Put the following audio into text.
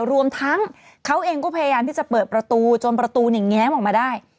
รวมทั้งเขาเองก็พยายามที่จะเปิดประตูจนประตูเนี่ยแง้มออกมาได้